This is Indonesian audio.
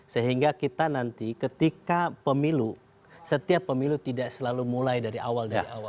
sehingga kita nanti ketika pemilu setiap pemilu tidak selalu mulai dari awal dari awal